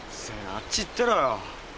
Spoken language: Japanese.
あっち行ってろよ。